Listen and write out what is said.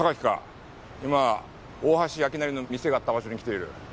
今大橋明成の店があった場所に来ている。